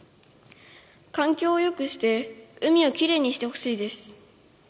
かんきょうをよくして海をきれいにしてほしいです。